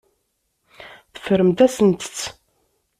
Teffremt-asent-tt.